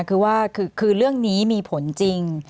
คือว่าคือเรื่องนี้มีผลจริง